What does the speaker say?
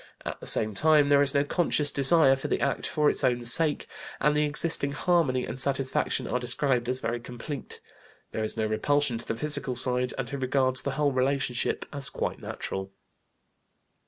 At the same time there is no conscious desire for the act for its own sake, and the existing harmony and satisfaction are described as very complete. There is no repulsion to the physical side, and he regards the whole relationship as quite natural.